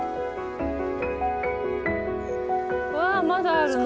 わあまだあるの？